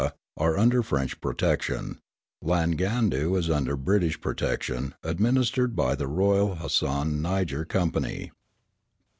are under French protection; Land Gandu is under British protection, administered by the Royal Haussan Niger Company.